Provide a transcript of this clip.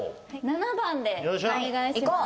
７番でお願いします。